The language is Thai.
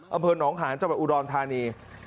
อำเภอหนองหาญจังหวัดอุดรธานี